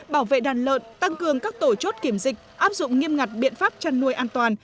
bảo vệ đàn lợn tăng cường các tổ chốt kiểm dịch áp dụng nghiêm ngặt biện pháp chăn nuôi an toàn